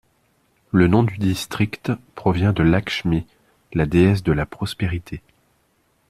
Le nom du district provient de Lakshmi, la déesse de la prospérité.